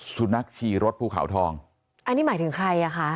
นักขี่รถภูเขาทองอันนี้หมายถึงใครอ่ะคะ